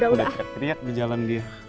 udah teriak teriak di jalan dia